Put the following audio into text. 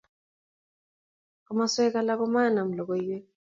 komosweek alak komanam logoiwek.